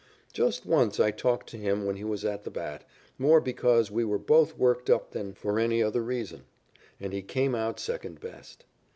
Just once I talked to him when he was at the bat, more because we were both worked up than for any other reason, and he came out second best.